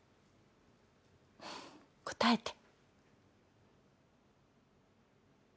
答えて。